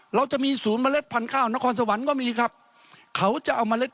เราจะมีศูนย์เมล็ดพันธุ์ข้าวนครสวรรค์ก็มีครับเขาจะเอาเมล็ด